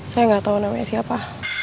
saya gak tau namanya siapa